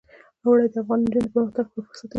اوړي د افغان نجونو د پرمختګ لپاره فرصتونه برابروي.